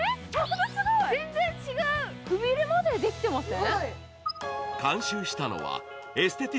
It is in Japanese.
全然違う、くびれまでできてません？